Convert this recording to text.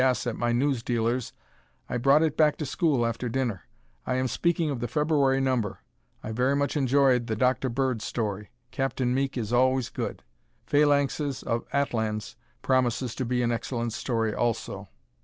S. at my newsdealer's, I brought it back to school after dinner. I am speaking of the February number. I very much enjoyed the Dr. Bird story. Capt. Meek is always good. "Phalanxes of Atlans" promises to be an excellent story, also.